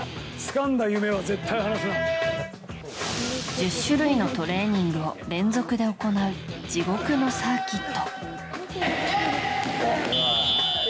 １０種類のトレーニングを連続で行う地獄のサーキット。